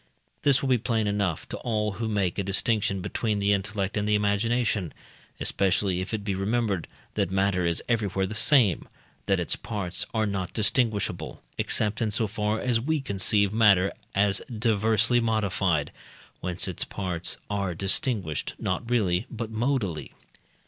This will be plain enough to all who make a distinction between the intellect and the imagination, especially if it be remembered, that matter is everywhere the same, that its parts are not distinguishable, except in so far as we conceive matter as diversely modified, whence its parts are distinguished, not really, but modally.